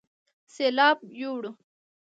سېلاو يوړ